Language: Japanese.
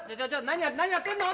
なにやってんの？